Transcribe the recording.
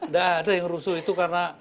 tidak ada yang rusuh itu karena